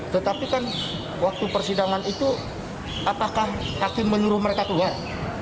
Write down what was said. tetapi kan waktu persidangan itu apakah hakim menyuruh mereka keluar